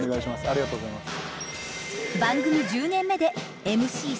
ありがとうございます。